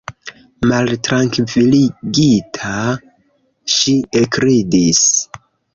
Maltrankviligita, ŝi ekridis.